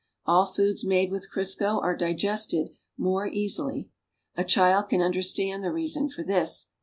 All foods made with Crisco are digested more easily. A child can understand the reason for this.